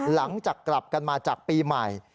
หลังจากกลับกันมาจากปีใหม่